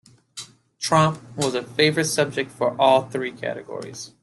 Tromp was a favourite subject for all three categories.